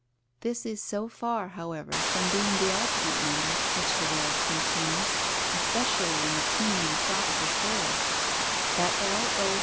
This is so far, however, from being the ultimate number which the world contains, especially in the teem ing tropical forests, that L. O.